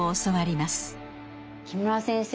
木村先生